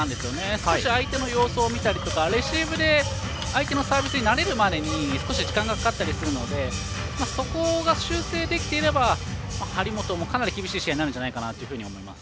少し相手の様子を見たりとかレシーブで相手のサービスに慣れるまで少し時間がかかったりするのでそこが修正できていれば、張本もかなり厳しい試合になるんじゃないかと思います。